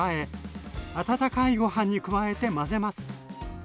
温かいご飯に加えて混ぜます。